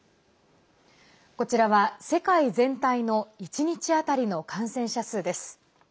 こちらは世界全体の１日当たりの感染者数です。